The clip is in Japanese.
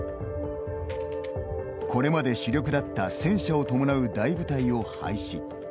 これまで主力だった戦車を伴う大部隊を廃止。